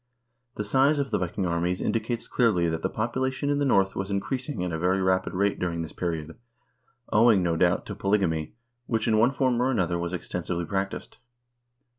The size of the Viking armies indicates clearly that the population, in the North was increasing at a very rapid rate during this period, owing, no doubt, to polygamy, which, in one form or another, was extensively practiced.